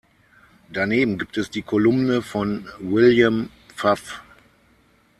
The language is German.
Daneben gibt es die Kolumne von William Pfaff.